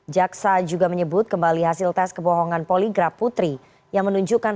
jaksa juga menyebut kembali hasil tes kebohongan poligraf putri yang menunjukkan